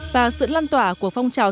và sự lan tỏa của phong trào